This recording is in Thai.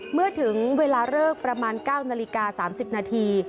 เมื่อถึงเวลาเลิกประมาณ๙นาฬิกา๓๐นาที